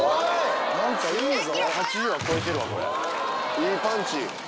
いいパンチ。